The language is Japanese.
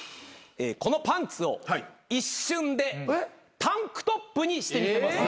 このパンツを一瞬でタンクトップにしてみせます。